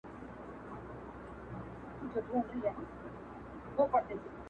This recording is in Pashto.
o مینه وړي یوه مقام لره هر دواړه,